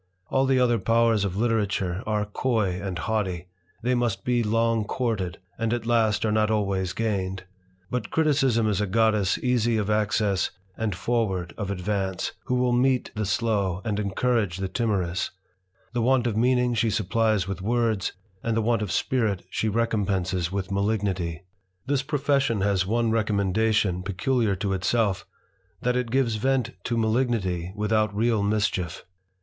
All the other )wers of literature are coy and haughty, they must be ng courted, and at last are not always gained; but iticism is a goddess easy of access and forward of Ivance, who will meet the slow, and encourage the aorous; the want of meaning she supplies with words, id the want of spirit she recompenses with malignity. This profession has one recommendation peculiar to elf^ that it gives vent to malignity without real mischief.